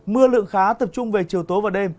mưa lượng khá tập trung về chiều tối và đêm